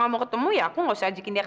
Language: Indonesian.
aku mau kamu menjaga hati aku